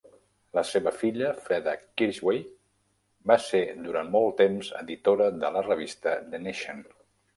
La seva filla, Freda Kirchwey, va ser durant molt temps editora de la revista "The Nation".